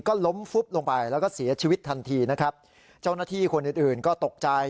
ก็ล้มฟุบลงไปแล้วก็เสียชีวิตทันทีนะครับเจ้าหน้าที่คนอื่นอื่นก็ตกใจ